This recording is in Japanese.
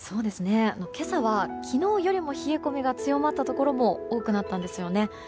今朝は昨日よりも冷え込みが強まったところも多くなったんですよね。